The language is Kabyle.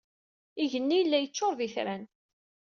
Igenni yella yeččur d itran.